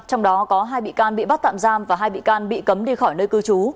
trong đó có hai bị can bị bắt tạm giam và hai bị can bị cấm đi khỏi nơi cư trú